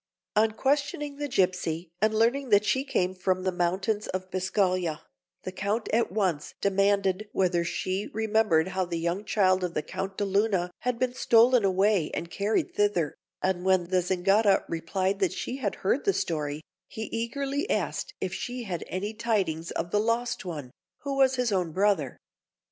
On questioning the gipsy and learning that she came from the mountains of Biscaglia, the Count at once demanded whether she remembered how the young child of the Count de Luna had been stolen away and carried thither; and when the Zingara replied that she had heard the story, he eagerly asked if she had any tidings of the lost one, who was his own brother.